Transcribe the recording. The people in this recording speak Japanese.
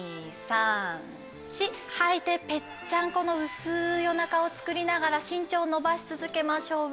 吐いてぺっちゃんこの薄いお腹を作りながら身長を伸ばし続けましょう。